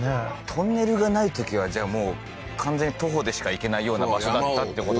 トンネルがないときはじゃあもう完全に徒歩でしか行けないような場所だったってことですもんね